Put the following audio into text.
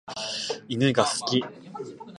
犬が好き。